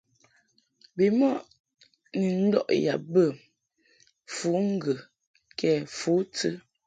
Bimɔʼ ni ndɔʼ yab bə fǔŋgə kɛ fǔtɨ.